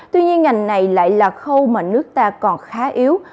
tuy nhiên ngành này lại là khâu mà nước ta còn khá yếu